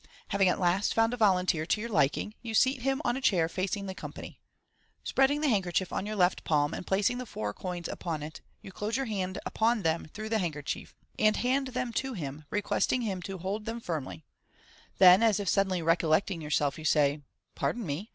Having at last found a volunteer to your liking, you seat him on a chair facing the company. Spreading the handkerchief on your left palm, and placing the foui coins upon it, you close your hand upon them through the hand kerchief, and hand them to him, requesting him to hold them firmly Then, as if suddenly recollecting yourself, you say, " Pardon me.